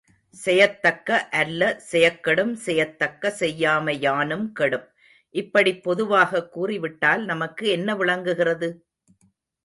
செயத்தக்க அல்ல செயக்கெடும் செய்தக்க செய்யாமை யானும் கெடும். இப்படிப் பொதுவாக கூறிவிட்டால், நமக்கு என்ன விளங்குகிறது?